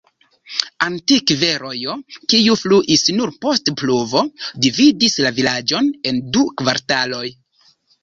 Antikve rojo, kiu fluis nur post pluvo, dividis la vilaĝon en du kvartaloj.